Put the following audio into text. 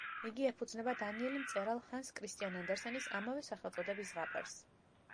იგი ეფუძნება დანიელი მწერალ ჰანს კრისტიან ანდერსენის ამავე სახელწოდების ზღაპარს.